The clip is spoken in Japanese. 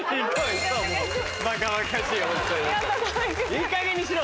いいかげんにしろ！